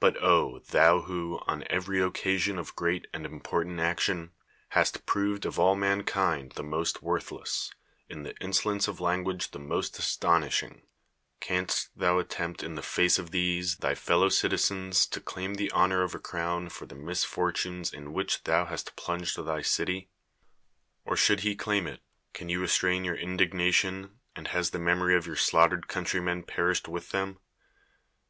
But thou who, on every occasion of great and important action, };ast proved of all m.ankind the most worthless, in the insolence of language the most astonishing, ■ •anst thou attempt in the face of these thy fellow citizens to claim the honor of a crown for the misfortunes in which thou hast plunged thy city? Or, should he claim it, can you restrain your indignation, and has the memory of your slaughtered countrymen perished with them